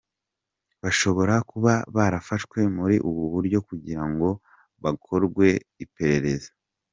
Bashobora kuba barafashwe muri ubu buryo kugira ngo bakorwego iperereza.”